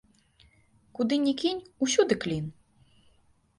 Куды ні кінь, усюды клін.